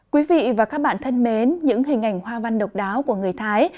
quý vị và các bạn thân mến những hình ảnh hoa văn độc đáo của người thái